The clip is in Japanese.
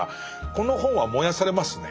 この本は燃やされますね。